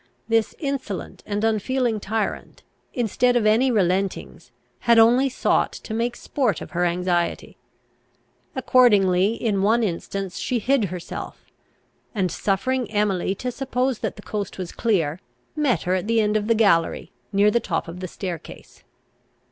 This insolent and unfeeling tyrant, instead of any relentings, had only sought to make sport of her anxiety. Accordingly, in one instance she hid herself, and, suffering Emily to suppose that the coast was clear, met her at the end of the gallery, near the top of the staircase.